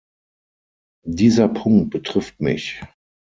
Dieser Punkt betrifft mich.